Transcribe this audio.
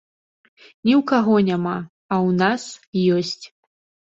Ні ў каго няма, а ў нас ёсць.